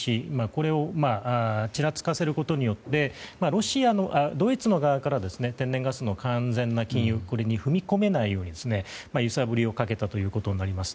これをちらつかせることによってドイツの側から天然ガスの完全な禁輸に踏み込めないように揺さぶりをかけたということになります。